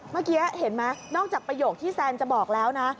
เมื่อกี้เห็นไหมนอกจากประโยคที่แซนจะบอกแล้วนะ